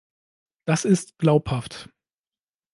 Das ist glaubhaft!